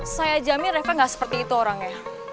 saya jamin reva gak seperti itu orangnya